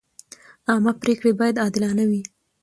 عامه پریکړې باید عادلانه وي.